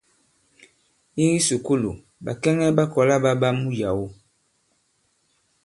I kisùkulù, ɓàkɛŋɛ ɓa kɔ̀la ɓa ɓa muyàwo.